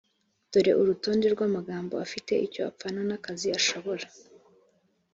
dore urutonde rw amagambo afite icyo apfana n akazi ashobora